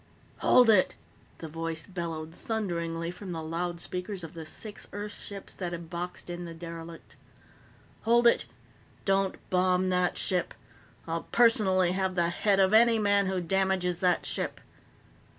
_ "Hold it!" The voice bellowed thunderingly from the loud speakers of the six Earth ships that had boxed in the derelict. "Hold it! Don't bomb that ship! I'll personally have the head of any man who damages that ship!"